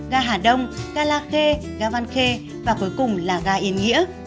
ga hà đông ga la khê ga văn khê và cuối cùng là ga yên nghĩa